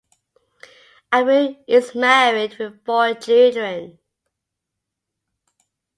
Abu is married with four children.